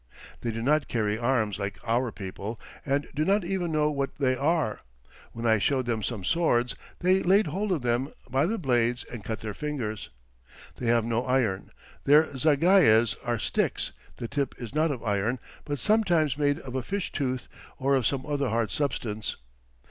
They do not carry arms like our people, and do not even know what they are. When I showed them some swords, they laid hold of them by the blades, and cut their fingers. They have no iron; their zagayes are sticks, the tip is not of iron, but sometimes made of a fish tooth, or of some other hard substance.